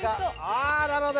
ああなるほど。